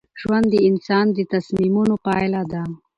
ژوند د انسان د تصمیمونو پایله ده.